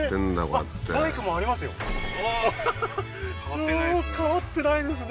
ああー変わってないですね